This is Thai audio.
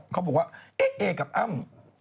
เขาบอกว่าเอ๊ะเอกับอ้ำ